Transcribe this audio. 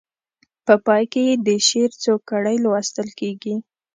په پای کې یې د شعر څو کړۍ لوستل کیږي.